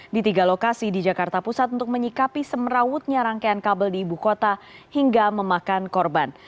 di tiga lokasi di jakarta pusat untuk menyikapi semerawutnya rangkaian kabel di ibu kota hingga memakan korban